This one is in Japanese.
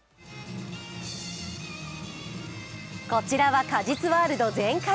こちらは鹿実ワールド全開。